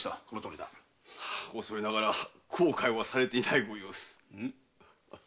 おそれながら後悔はされていないご様子。